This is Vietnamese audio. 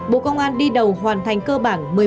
bộ công an đi đầu hoàn thành cơ bản